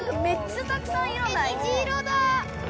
にじ色だ！